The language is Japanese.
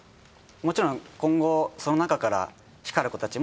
もちろん今後その中から光る子たちも。